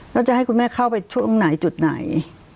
แล้วจะให้คุณแม่เข้าไปช่วงไหนจุดไหน